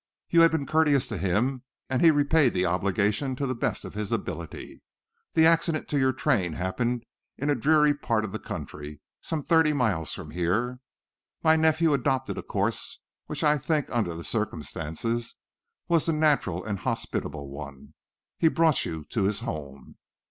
You had been courteous to him, and he repaid the obligation to the best of his ability. The accident to your train happened in a dreary part of the country, some thirty miles from here. My nephew adopted a course which I think, under the circumstances, was the natural and hospitable one. He brought you to his home.